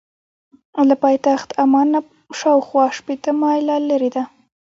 له پایتخت عمان نه شاخوا شپېته مایله لرې ده.